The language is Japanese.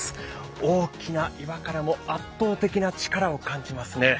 大きな岩からも圧倒的な力を感じますね。